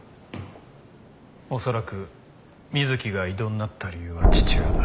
恐らく水木が異動になった理由は父親だ。